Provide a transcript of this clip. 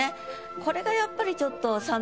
これがやっぱりちょっと。